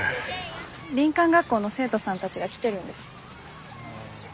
林間学校の生徒さんたちが来てるんです。